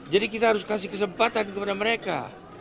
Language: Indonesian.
jadi kita harus kasih kesempatan kepada mereka